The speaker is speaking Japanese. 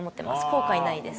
後悔ないです。